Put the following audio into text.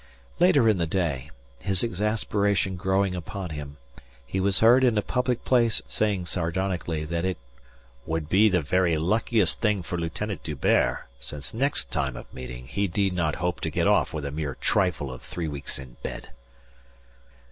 Later in the day, his exasperation growing upon him, he was heard in a public place saying sardonically "that it would be the very luckiest thing for Lieutenant D'Hubert, since next time of meeting he need not hope to get off with a mere trifle of three weeks in bed."